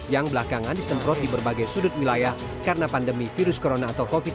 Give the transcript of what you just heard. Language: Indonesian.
yang belakangan disemprot di berbagai sudut wilayah karena pandemi virus corona atau covid sembilan belas